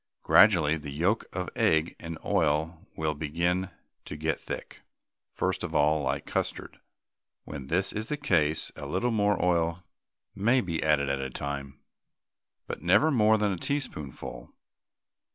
Gradually the yolk of egg and oil will begin to get thick, first of all like custard. When this is the case a little more oil may be added at a time, but never more than a teaspoonful.